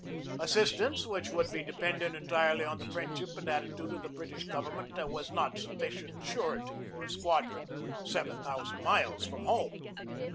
Assistance which would be dependent en tirely on the friendship and attitude of the British government was not sufficient surety for a squadron seven thousand miles from home.